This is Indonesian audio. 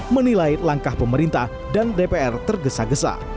menilai langkah pemerintah dan dpr tergesa gesa